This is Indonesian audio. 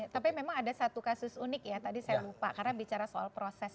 tapi memang ada satu kasus unik ya tadi saya lupa karena bicara soal proses